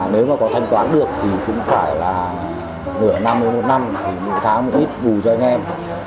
nếu mà có thanh toán được thì cũng phải là nửa năm một năm thì cũng khá một ít bù cho anh em